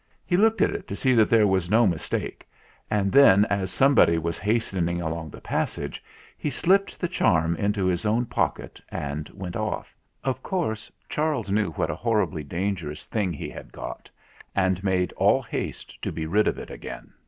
He looked at it, to see that there was no mistake, and then, as somebody was hastening along the passage, he slipped the charm into his own pocket and went off. Of course, Charles knew what a horribly dangerous thing he had got, and made all haste to be rid of it again.